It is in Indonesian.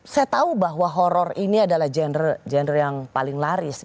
saya tahu bahwa horror ini adalah gender yang paling laris